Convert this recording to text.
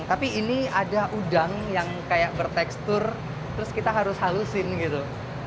tapi ini ada udang yang kayak bertekstur terus kita harus halusin gitu